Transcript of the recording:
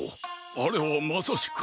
あれはまさしく。